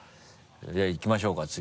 じゃあいきましょうか次。